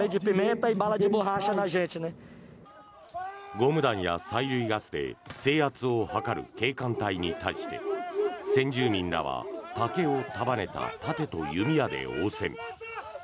ゴム弾や催涙ガスで制圧を図る警官隊に対して先住民ら竹を束ねた盾と弓矢で応戦。